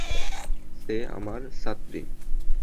সে আমার ছাত্রী।